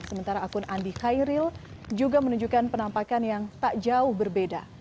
sementara akun andi khairil juga menunjukkan penampakan yang tak jauh berbeda